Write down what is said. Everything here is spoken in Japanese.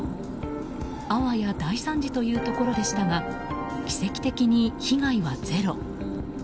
あわや大惨事というところでしたが奇跡的に被害はゼロ。